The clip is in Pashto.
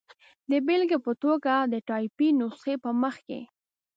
د بېلګې په توګه، د ټایپي نسخې په مخ کې.